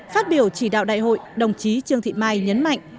phát biểu chỉ đạo đại hội đồng chí trương thị mai nhấn mạnh